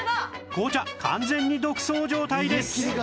紅茶完全に独走状態です